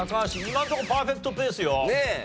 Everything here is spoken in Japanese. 今のとこパーフェクトペースよ。